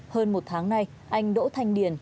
hơn một tháng nay anh đỗ thanh điền